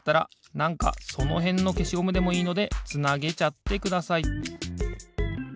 なんかそのへんのけしゴムでもいいのでつなげちゃってください。